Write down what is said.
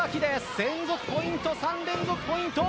連続ポイント、３連続ポイント。